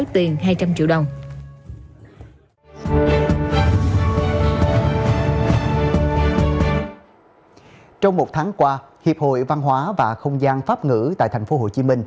trong một tháng qua hiệp hội văn hóa và không gian pháp ngữ tại tp hcm